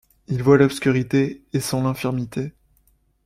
Il voit l’obscurité et sent l’infirmité.